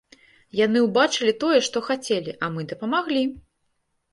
Яны ўбачылі тое, што хацелі, а мы дапамаглі!